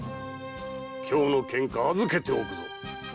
今日のケンカ預けておくぞ。